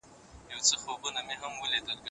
د کارونو ترسره کول اراده غواړي.